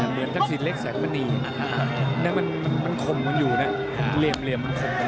เหมือนกับศิลป์เล็กแสดงมะนีมันคมกันอยู่นะเรียบมันคมกันอยู่